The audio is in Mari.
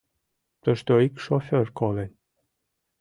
Тушто ик шофёр колен.